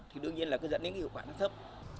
thì đương nhiên là dẫn đến hiệu quả nó thấp